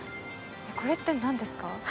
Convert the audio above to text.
これって何ですか？